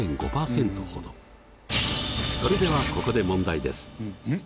それではここで問題です。